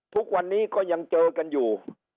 ทุกวันนี้ก็ยังเจอกันอยู่